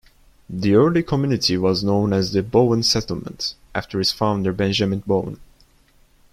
The early community was known as the "Bowen Settlement," after its founder Benjamin Bowen.